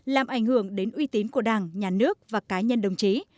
làm ảnh hưởng đến uy tín của đảng nhà nước và cá nhân đồng chí